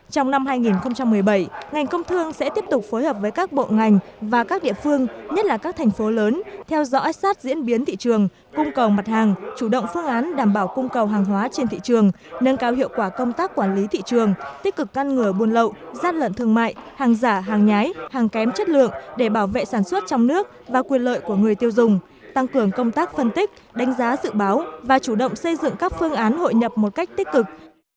trong năm hai nghìn một mươi bảy ngành công thương sẽ tiếp tục phối hợp với các bộ ngành và các địa phương nhất là các thành phố lớn theo dõi sát diễn biến thị trường cung cầu mặt hàng chủ động phương án đảm bảo cung cầu hàng hóa trên thị trường nâng cao hiệu quả công tác quản lý thị trường tích cực căn ngừa buôn lậu giát lận thương mại hàng giả hàng nhái hàng kém chất lượng để bảo vệ sản xuất trong nước và quyền lợi của người tiêu dùng tăng cường công tác phân tích đánh giá dự báo và chủ động xây dựng các phương án hội nhập một cách tích cực